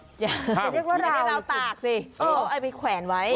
ตามไม่ได้ลาวตากสิเอาไอ้ไว้แขวนไว้